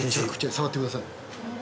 ◆触ってください。